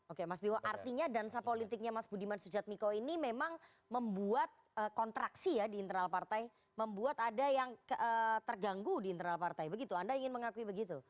oke mas biwo artinya dansa politiknya mas budiman sujatmiko ini memang membuat kontraksi ya di internal partai membuat ada yang terganggu di internal partai begitu anda ingin mengakui begitu